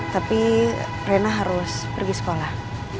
tapi rena harus pergi sekolah